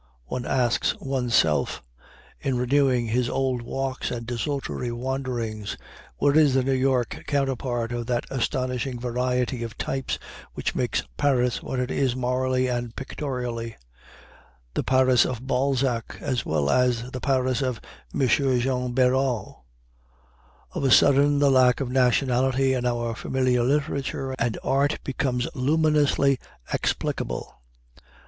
one asks one's self in renewing his old walks and desultory wanderings. Where is the New York counterpart of that astonishing variety of types which makes Paris what it is morally and pictorially, the Paris of Balzac as well as the Paris of M. Jean Béraud. Of a sudden the lack of nationality in our familiar literature and art becomes luminously explicable.